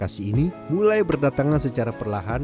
kota bekasi ini mulai berdatangan secara perlahan